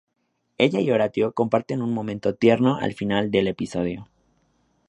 Ella y Horatio comparten un momento tierno al final del episodio.